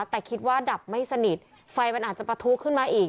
แต่คิดว่าดับไม่สนิทไฟมันอาจจะประทุขึ้นมาอีก